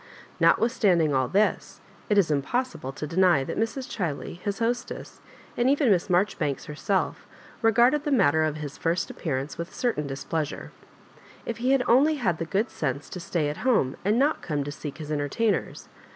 Not withstanding all this, it is impossible to deny that Mrs. Chiley, his hostess, and even Miss Maijoribanks herself regarded the matter of his first appearance with a certain displeasure. If he had only had the good sense to stay at home, and not come to seek his entertainers!